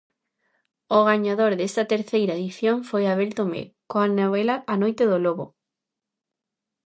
O gañador desta terceira edición foi Abel Tomé coa novela A noite do lobo.